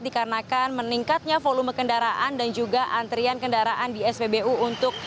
dikarenakan meningkatnya volume kendaraan dan juga antrian kendaraan di spbu untuk